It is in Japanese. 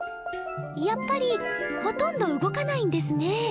やっぱりほとんど動かないんですね